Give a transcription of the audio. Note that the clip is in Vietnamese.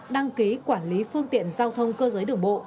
đăng ký quản lý phương tiện giao thông cơ giới đường bộ